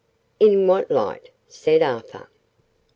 "In what light?" said Arthur.